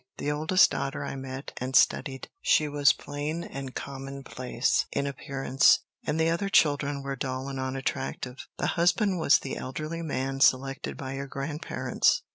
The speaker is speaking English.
The oldest daughter I met and studied. She was plain and commonplace in appearance, and the other children were dull and unattractive. The husband was the elderly man selected by your grandparents.